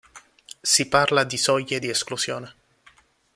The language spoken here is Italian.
Si parla di soglie di esclusione.